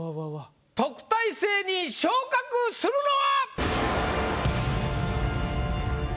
特待生に昇格するのは。